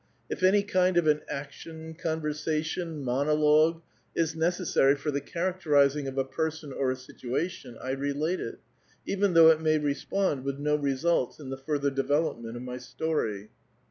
If any kind of an action, conversation, monologue, is necessary for the characterizing of a person or a situation, I relate it, even though it may respond with no results in the further development of my story.